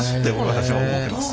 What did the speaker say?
私は思ってます。